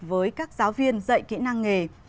với các giáo viên dạy kỹ năng nghề